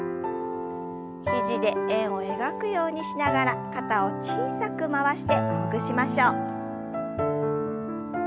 肘で円を描くようにしながら肩を小さく回してほぐしましょう。